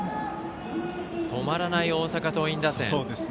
止まらない大阪桐蔭打線。